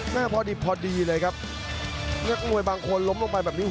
พอดีพอดีเลยครับนักมวยบางคนล้มลงไปแบบนี้